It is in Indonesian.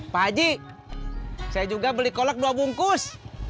pak haji saya juga beli kolak dua bungkus